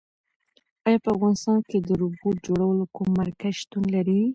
ایا په افغانستان کې د روبوټ جوړولو کوم مرکز شتون لري؟